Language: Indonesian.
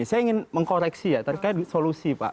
saya ingin mengkoreksi ya terkait solusi pak